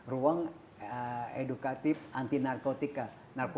ruang educatif anti narkotika